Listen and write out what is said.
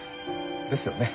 ですよね？